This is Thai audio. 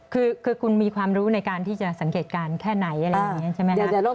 คือคุณมีความรู้ในการที่จะสังเกตการณ์แค่ไหนอะไรอย่างนี้ใช่ไหมครับ